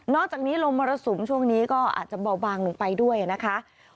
อกจากนี้ลมมรสุมช่วงนี้ก็อาจจะเบาบางลงไปด้วยนะคะ